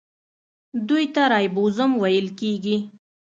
دوی ته رایبوزوم ویل کیږي.